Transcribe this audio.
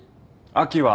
秋は？